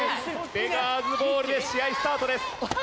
ベガーズボールで試合スタートです。